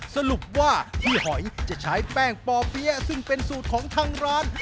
สรุปว่าพี่หอยจะใช้แป้งป่อเปี๊ยะซึ่งเป็นสูตรของทางร้าน